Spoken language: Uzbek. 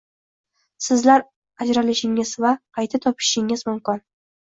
Sizlar ajralishingiz va qayta topishishingiz mumkin